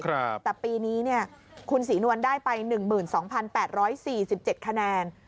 แต่ปีนี้เนี่ยคุณศรีนวลได้ไป๑๒๘๔๗คะแนน